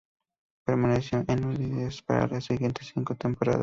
Permaneció en el Udinese por las siguientes cinco temporadas.